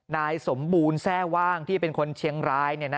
นายสมบูรณ์แทร่ว่างที่เป็นคนเชียงราย